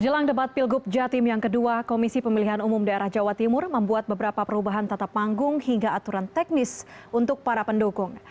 jelang debat pilgub jatim yang kedua komisi pemilihan umum daerah jawa timur membuat beberapa perubahan tata panggung hingga aturan teknis untuk para pendukung